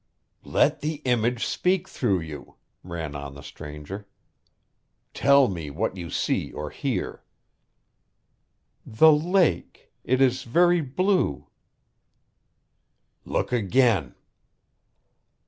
"Let the image speak through you," ran on the stranger. "Tell me what you see or hear." "The lake it is very blue." "Look again."